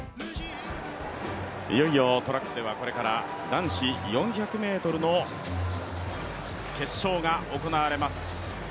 いよいよトラックでは男子４００ｍの決勝が行われます。